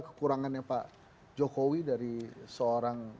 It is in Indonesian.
kekurangannya pak jokowi dari seorang